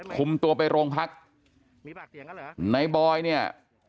คุมตัวไปโรงพักในบอยเนี่ย